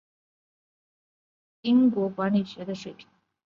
坦伯顿爵士希望以此来提升英国管理学的水平。